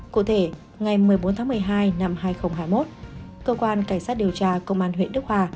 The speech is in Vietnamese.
cụ thể ngày một mươi bốn tháng một mươi hai năm hai nghìn hai mươi một cơ quan cảnh sát điều tra công an huyện đức hòa